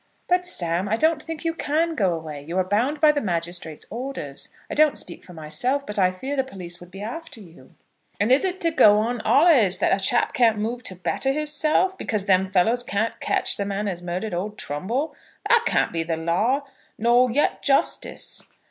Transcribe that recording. "But, Sam, I don't think you can go away. You are bound by the magistrates' orders. I don't speak for myself, but I fear the police would be after you." "And is it to go on allays, that a chap can't move to better hisself, because them fellows can't catch the men as murdered old Trumbull? That can't be law, nor yet justice."